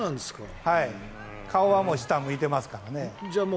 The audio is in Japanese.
顔は下を向いていますからね。